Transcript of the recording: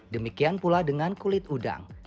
demikian pula dengan kulit udang